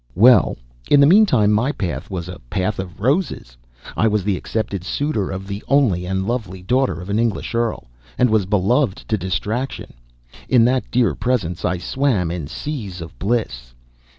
Well, in the mean time my path was a path of roses. I was the accepted suitor of the only and lovely daughter of an English earl, and was beloved to distraction. In that dear presence I swam in seas of bliss.